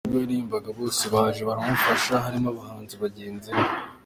Ubwo yaririmbaga bose baje baramufasha barimo abahanzi bagenzi be.